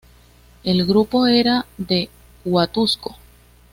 El grupo era de Huatusco, Ver.